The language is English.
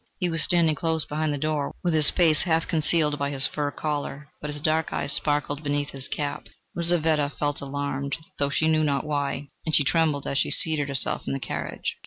He was standing close behind the door, with his face half concealed by his fur collar, but his dark eyes sparkled beneath his cap. Lizaveta felt alarmed, though she knew not why, and she trembled as she seated herself in the carriage.